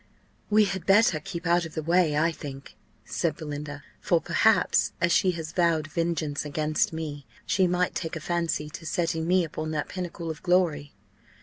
"We had better keep out of the way, I think," said Belinda: "for perhaps, as she has vowed vengeance against me, she might take a fancy to setting me upon that pinnacle of glory."